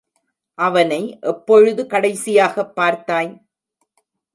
அவனை எப்பொழுது கடைசியாகப் பார்த்தாய்?